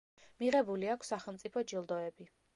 მირებული აქვს სახელმწიფო ჯილდოები.